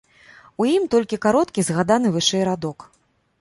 У ім толькі кароткі згаданы вышэй радок.